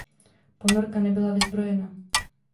Ponorka nebyla vyzbrojena.